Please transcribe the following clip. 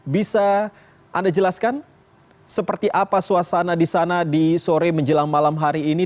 bisa anda jelaskan seperti apa suasana di sana di sore menjelang malam hari ini